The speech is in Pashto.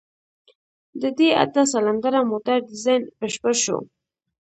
د دې اته سلنډره موټر ډيزاين بشپړ شو.